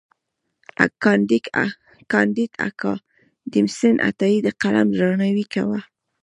کانديد اکاډميسن عطايي د قلم درناوی کاوه.